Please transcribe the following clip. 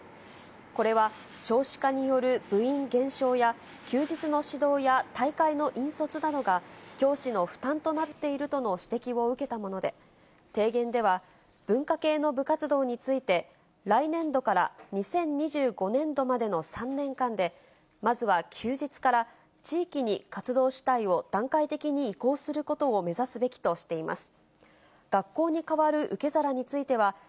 これは少子化による部員減少や、休日の指導や大会の引率などが、教師の負担となっているとの指摘を受けたもので、提言では文化系の部活動について、来年度から２０２５年度までの３年間で、まずは休日から、地域に活動主体を段階的に移行することを目指すべきとしています。